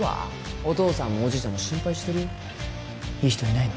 お父さんもおじいちゃんも心配してるよいい人いないの？